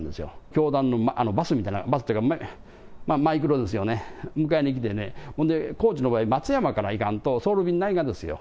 教団のバスみたいな、バスというか、マイクロですよね、迎えに来てね、ほんで高知の場合、松山から行かんと、ソウル便ないがですよ。